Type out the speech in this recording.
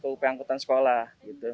ke kita ke pengangkutan sekolah